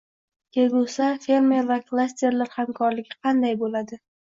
Kelgusida fermer va klasterlar hamkorligi qanday bo‘ladi?ng